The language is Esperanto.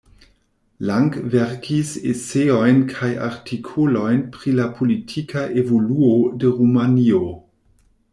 Lang verkis eseojn kaj artikolojn pri la politika evoluo de Rumanio.